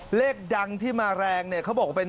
ปลูกมะพร้าน้ำหอมไว้๑๐ต้น